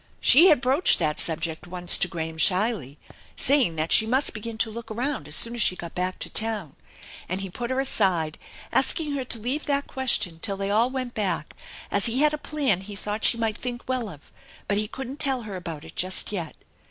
She had broached that subject once to Graham shyly, saying that she must begin to look around as soon as she got back to town, and he put her aside, asking her to leave that question till they all went back, as he had a plan he thought she might think well of, but he couldn't tell her about it just yet.